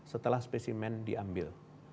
setelah spesimen diambil